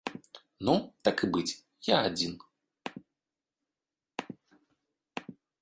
Ну, так і быць, я адзін.